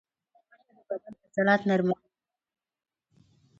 منډه د بدن عضلات نرموي